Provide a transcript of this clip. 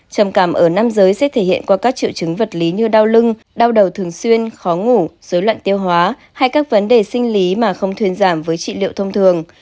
trầm cảm ở nam giới sẽ thể hiện qua các triệu chứng vật lý như đau lưng đau đầu thường xuyên khó ngủ dối loạn tiêu hóa hay các vấn đề sinh lý mà không thuyền giảm với trị liệu thông thường